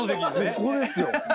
ここですよ。